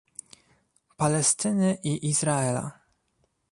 Palestyny i Izraela